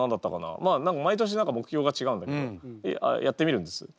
まあ毎年何か目標が違うんだけどやってみるんです。